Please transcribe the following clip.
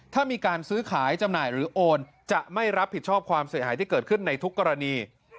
ถ้ามีการซื้อขายจำหน่ายหรือโอนจะไม่รับผิดชอบความเสียหายที่เกิดขึ้นในทุกกรณี